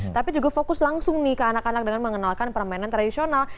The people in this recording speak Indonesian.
tapi juga fokus langsung nih ke anak anak dengan mengenalkan permainan tradisional